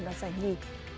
đoạt giải nhì